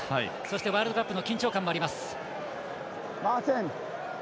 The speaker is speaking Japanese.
ワールドカップの緊張感もあります。